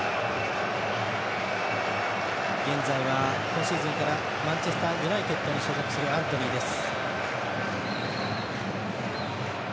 現在は今シーズンからマンチェスターユナイテッドに所属するアントニーです。